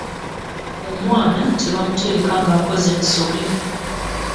Omwana tebamutereka ng'akoze ensobi.